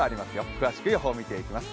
詳しく予報を見ていきます。